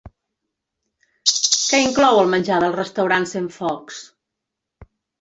Què inclou el menjar del restaurant Centfocs?